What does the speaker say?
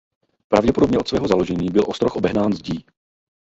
Pravděpodobně od svého založení byl ostroh obehnán zdí.